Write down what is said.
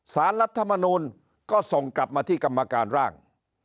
สารรัฐมนูลก็ส่งกลับมาที่กรรมการร่าง